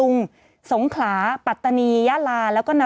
ศูนย์อุตุนิยมวิทยาภาคใต้ฝั่งตะวันอ่อค่ะ